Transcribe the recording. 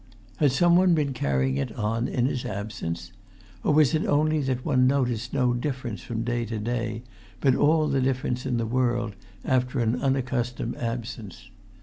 Had some one been carrying it on in his absence? Or was it only that one noticed no difference from day to day, but all the difference in the world after an unaccustomed absence?